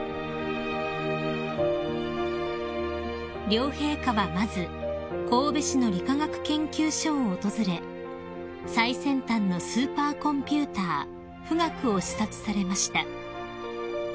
［両陛下はまず神戸市の理化学研究所を訪れ最先端のスーパーコンピューター富岳を視察されました］